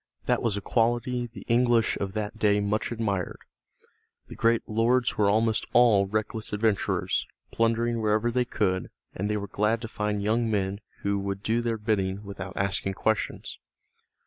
That was a quality the English of that day much admired. The great lords were almost all reckless adventurers, plundering wherever they could, and they were glad to find young men who would do their bidding without asking questions.